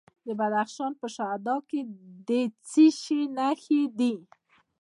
د بدخشان په شهدا کې د څه شي نښې دي؟